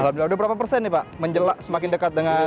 alhamdulillah udah berapa persen nih pak menjelak semakin dekat dengan